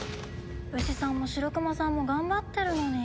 ウシさんもシロクマさんも頑張ってるのに。